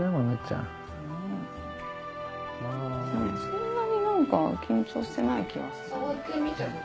そんなに何か緊張してない気がする。